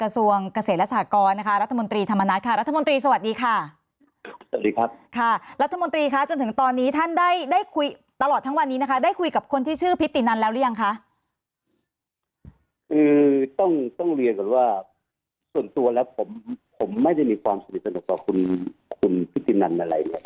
ส่วนตัวแล้วผมไม่ได้มีความสนิทของคุณพิษตินันอะไรอย่างนี้แหละ